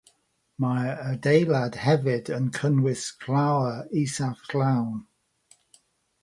Mae'r adeilad hefyd yn cynnwys llawr isaf llawn.